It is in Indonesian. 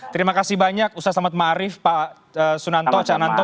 terima kasih banyak ustaz lema marief pak sunanto pak nanto